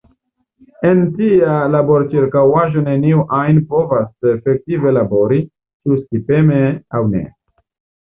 En tia laborĉirkaŭaĵo neniu ajn povas efektive labori - ĉu skipeme aŭ ne.